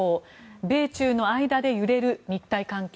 米中の間で揺れる日台関係。